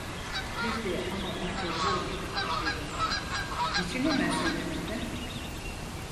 "Peki ama, a çocuğum" dedim, "niçin hemen söylemedin?